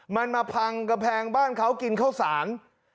มันมาพังกำแพงบ้านเขากินข้าวสาร